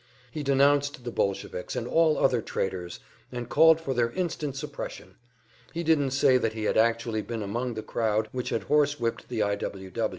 He denounced the Bolsheviks and all other traitors, and called for their instant suppression; he didn't say that he had actually been among the crowd which had horse whipped the I. W.